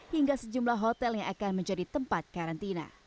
hingga sejumlah hotel yang akan menjadi tempat karantina